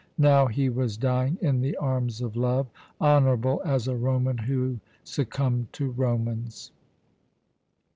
Now he was dying in the arms of Love, honourable as a Roman who succumbed to Romans.